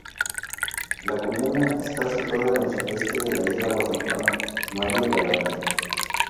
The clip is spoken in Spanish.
La comuna está situada en el sureste de la isla guadalupana de Marie-Galante.